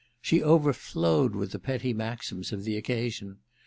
She over flowed with the petty maxims of the occasion.